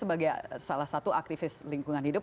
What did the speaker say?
sebagai salah satu aktivis lingkungan hidup